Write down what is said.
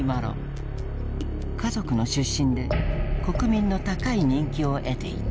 華族の出身で国民の高い人気を得ていた。